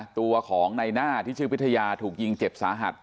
ตัวของในหน้าที่ชื่อพิทยาถูกยิงเจ็บสาหัส